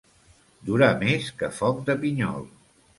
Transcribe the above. Durar més que foc de pinyol.